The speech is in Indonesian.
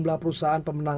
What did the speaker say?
dalam perusahaan pengajian